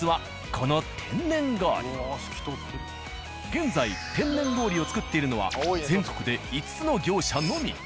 現在天然氷を作っているのは全国で５つの業者のみ。